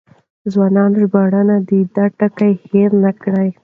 ځوان ژباړن دې دا ټکی هېر نه کړي.